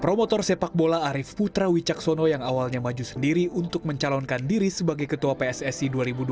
promotor sepak bola arief putra wicaksono yang awalnya maju sendiri untuk mencalonkan diri sebagai ketua pssi dua ribu dua puluh